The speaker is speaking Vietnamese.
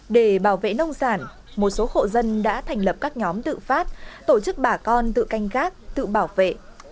để bảo vệ nông sản một số hộ dân đã thành lập các nhóm tự phát tổ chức bà con tự canh gác tự bảo vệ